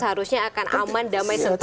seharusnya akan aman damai setelah